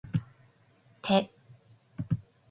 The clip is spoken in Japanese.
疲れてますね、グリガラシビリ選手。